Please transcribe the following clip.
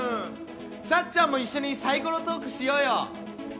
さっちゃんも一緒にサイコロトークしようよ！